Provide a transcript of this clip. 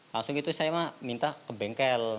langsung itu saya mah minta ke bengkel